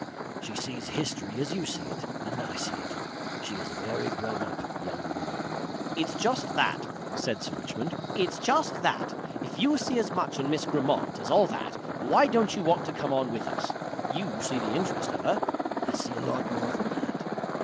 She sees history as you see it and I see it. She is a very grown up young woman. "It's just that," said Sir Richmond. "It's just that. If you see as much in Miss Grammont as all that, why don't you want to come on with us? You see the interest of her." "I see a lot more than that.